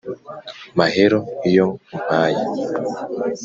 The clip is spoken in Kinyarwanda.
mahero iyo umpaye